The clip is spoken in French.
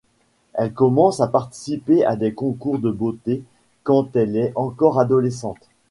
Elle commence à participer à des concours de beauté quand elle est encore adolescente.